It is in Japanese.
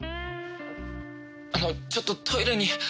あのちょっとトイレに。